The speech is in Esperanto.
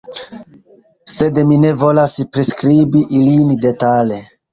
Sed mi ne volas priskribi ilin detale.